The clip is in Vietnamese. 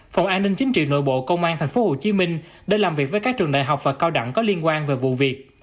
phòng an ninh chính trị nội bộ công an thành phố hồ chí minh đã làm việc với các trường đại học và cao đẳng có liên quan về vụ việc